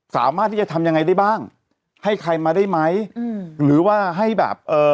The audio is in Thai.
สามารถที่จะทำยังไงได้บ้างให้ใครมาได้ไหมอืมหรือว่าให้แบบเอ่อ